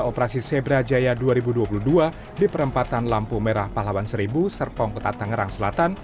operasi zebra jaya dua ribu dua puluh dua di perempatan lampu merah pahlawan seribu serpong kota tangerang selatan